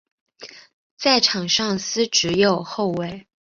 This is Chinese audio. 在场上司职右后卫。